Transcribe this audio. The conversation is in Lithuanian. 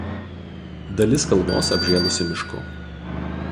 Dalis kalvos apžėlusi mišku.